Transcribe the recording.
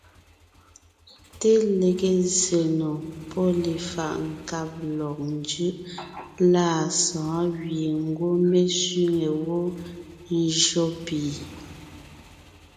Te lege zsè nò pɔ́ lefaʼ nkáb lɔg njʉʼ lâ sɔ̌ɔn gẅie ngwɔ́ mé sẅîŋe wó ńjÿó pì.